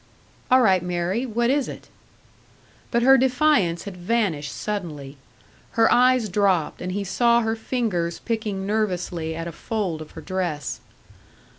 "All right, Mary. What is it?" But her defiance had vanished suddenly. Her eyes dropped, and he saw her fingers picking nervously at a fold of her dress.